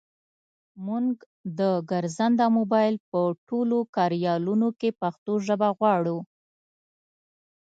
مونږ د ګرځنده مبایل په ټولو کاریالونو کې پښتو ژبه غواړو.